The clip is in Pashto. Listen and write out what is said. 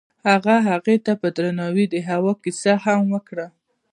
هغه هغې ته په درناوي د هوا کیسه هم وکړه.